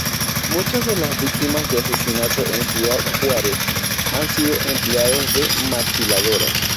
Muchas de las víctimas de asesinato en Ciudad Juárez han sido empleadas de maquiladoras.